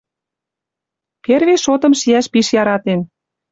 Перви шотым шиӓш пиш яратен.